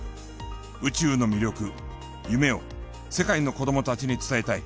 宇宙の魅力夢を世界の子どもたちに伝えたい。